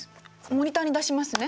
モニターに出しますね。